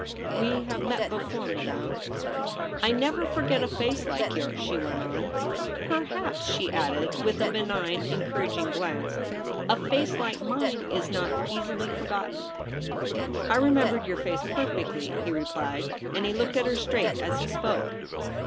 ' We have met before, madame.' ' I never forget a face like yours,' she went on ;' perhaps,' she added, with a benign, en couraging glance, ' a face like mine is not easily forgotten.' * I remembered your face perfectly,' he replied ; and he looked at her straight as he spoke.